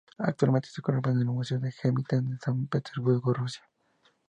Actualmente se conserva en el Museo del Hermitage de San Petersburgo, Rusia.